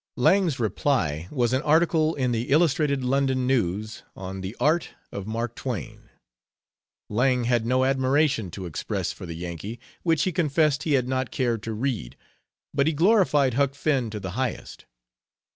Lang's reply was an article in the Illustrated London News on "The Art of Mark Twain." Lang had no admiration to express for the Yankee, which he confessed he had not cared to read, but he glorified Huck Finn to the highest.